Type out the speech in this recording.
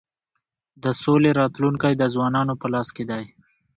د سولی راتلونکی د ځوانانو په لاس کي دی.